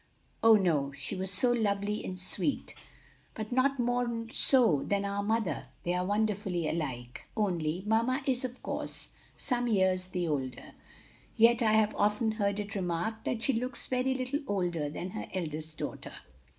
"Oh, no; she was so lovely and sweet!" "But not more so than our mother; they are wonderfully alike, only mamma is, of course, some years the older. Yet I have often heard it remarked that she looks very little older than her eldest daughter."